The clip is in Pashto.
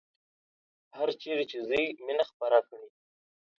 هرچیرې چې ځئ مینه خپره کړئ